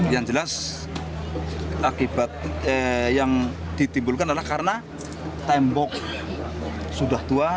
yang jelas akibat yang ditimbulkan adalah karena tembok sudah tua